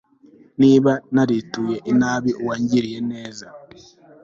niba narituye inabi uwangiriye neza